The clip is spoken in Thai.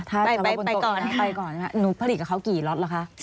ถ้าเราก็บนโต๊ะอีกแล้วผมไปก่อนค่ะหนูผลิตกับเขากี่ล็อตค่ะ